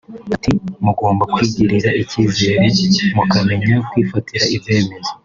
Ati “ Mugomba kwigirira icyizere mukamenya kwifatira ibyemezo